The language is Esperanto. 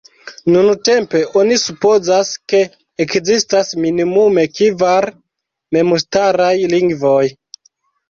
Nuntempe oni supozas, ke ekzistas minimume kvar memstaraj lingvoj.